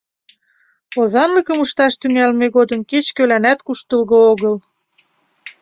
— Озанлыкым ышташ тӱҥалме годым кеч-кӧланат куштылго огыл.